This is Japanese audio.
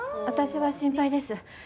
私は心配です。